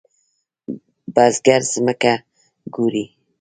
بزګر زمکه کوري.